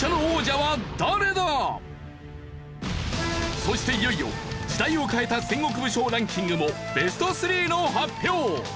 そしていよいよ時代を変えた戦国武将ランキングもＢＥＳＴ３の発表！